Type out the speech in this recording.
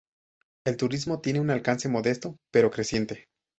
El turismo tiene un alcance modesto pero creciente.